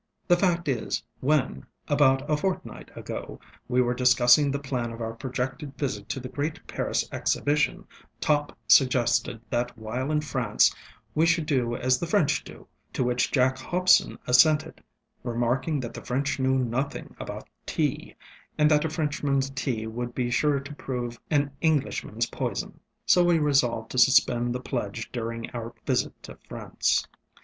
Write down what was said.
The fact is, when, about a fortnight ago, we were discussing the plan of our projected visit to the great Paris Exhibition, Topp suggested that while in France we should do as the French do, to which Jack Hobson assented, remarking that the French knew nothing about tea, and that a FrenchmanŌĆÖs tea would be sure to prove an EnglishmanŌĆÖs poison. So we resolved to suspend the pledge during our visit to France.